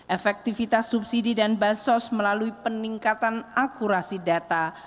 efektivitas subsidi dan bansos melalui peningkatan akurasi data